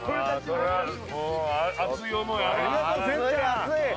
熱い思い。